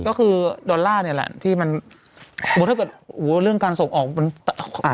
ก็คือดอลลาร์เนี่ยแหละที่มันถ้าเกิดโอ้โหเรื่องการส่งออกมันอ่า